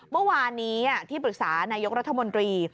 เมื่อวานนี้ที่ปรึกษานายกรัฐมนตรี